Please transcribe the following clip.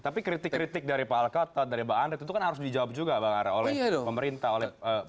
tapi kritik kritik dari pak alkotan dari mbak andret itu kan harus dijawab juga bang ar oleh pemerintah oleh para kandidat ini